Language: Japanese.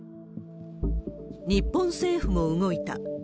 日本政府も動いた。